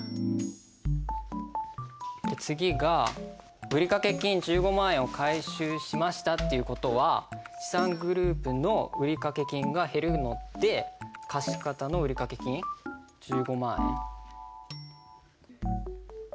次が「売掛金１５万円を回収しました」っていう事は資産グループの売掛金が減るので貸方の売掛金１５万円。